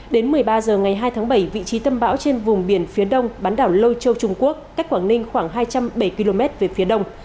đến một mươi ba h ngày hai tháng bảy vị trí tâm bão trên vùng biển phía đông bán đảo lôi châu trung quốc cách quảng ninh khoảng hai trăm bảy km về phía đông